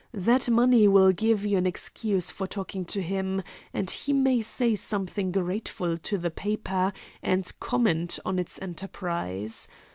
That money will give you an excuse for talking to him, and he may say something grateful to the paper, and comment on its enterprise.